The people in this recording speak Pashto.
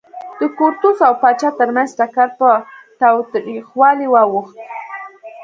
د کورتس او پاچا ترمنځ ټکر پر تاوتریخوالي واوښت.